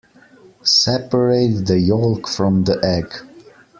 Separate the yolk from the egg.